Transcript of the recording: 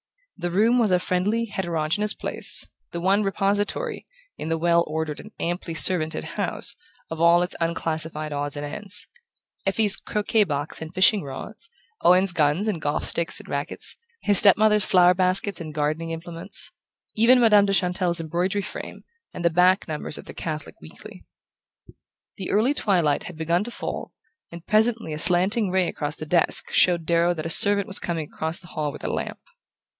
The room was a friendly heterogeneous place, the one repository, in the well ordered and amply servanted house, of all its unclassified odds and ends: Effie's croquet box and fishing rods, Owen's guns and golf sticks and racquets, his step mother's flower baskets and gardening implements, even Madame de Chantelle's embroidery frame, and the back numbers of the Catholic Weekly. The early twilight had begun to fall, and presently a slanting ray across the desk showed Darrow that a servant was coming across the hall with a lamp.